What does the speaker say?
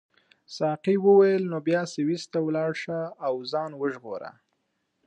ساقي وویل نو بیا سویس ته ولاړ شه او ځان وژغوره.